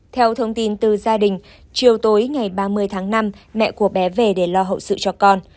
theo thông tin từ gia đình chiều tối ngày ba mươi tháng năm mẹ của bé về để lo hậu sự cho con